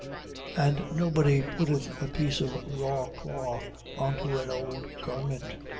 And nobody putteth a piece of raw cloth unto an old garment.